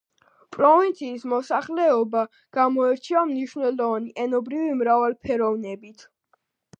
პროვინციის მოსახლეობა გამოირჩევა მნიშვნელოვანი ენობრივი მრავალფეროვნებით.